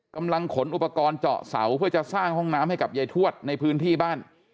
กำลังขนวิธีจอเสาร์เพื่อการสร้างห้องน้ำให้กับใยถวชในพื้นที่บ้าน